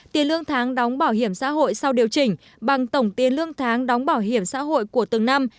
tiền lương tháng đóng bảo hiểm xã hội sau điều chỉnh bằng tổng tiền lương tháng đóng bảo hiểm xã hội của từng năm